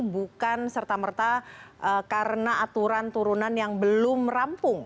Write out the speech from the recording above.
bukan serta merta karena aturan turunan yang belum rampung